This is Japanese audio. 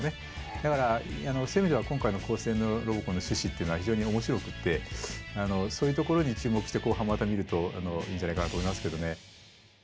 だからそういう意味では今回の高専のロボコンの趣旨っていうのは非常に面白くてそういうところに注目して後半また見るといいんじゃないかなと思いますけどね。